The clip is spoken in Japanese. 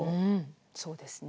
そうですね。